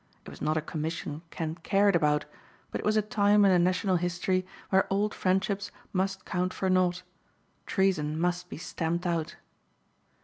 It was not a commission Kent cared about, but it was a time in the national history where old friendships must count for naught. Treason must be stamped out.